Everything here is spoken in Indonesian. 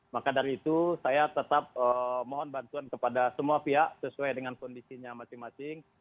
maka dari itu saya tetap mohon bantuan kepada semua pihak sesuai dengan kondisinya masing masing